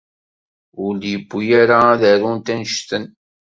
Ur d-yewwi ara ad arunt annect-en.